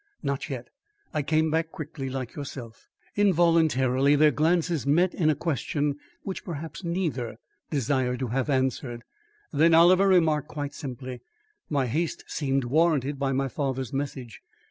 "Not yet. I came back quickly like yourself." Involuntarily their glances met in a question which perhaps neither desired to have answered. Then Oliver remarked quite simply: "My haste seemed warranted by my father's message.